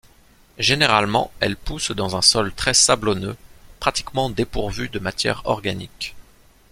Généralement elles poussent dans un sol très sablonneux, pratiquement dépourvu de matières organiques.